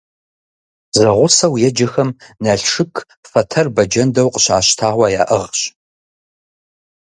Зэгъусэу еджэхэм Налшык фэтэр бэджэндэу къыщащтауэ яӏыгъщ.